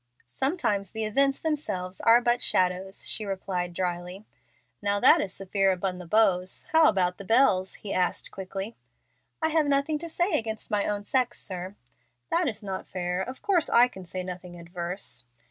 "Sometimes the events themselves are but shadows," she replied, dryly. "Now that is severe upon the beaux. How about the belles?" he asked, quickly. "I have nothing to say against my own sex, sir." "That is not fair. Of course I can say nothing adverse."